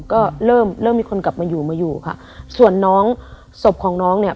ก็เริ่มเริ่มมีคนกลับมาอยู่มาอยู่ค่ะส่วนน้องศพของน้องเนี่ย